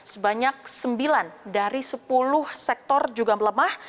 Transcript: sebanyak sembilan dari sepuluh sektor juga melemah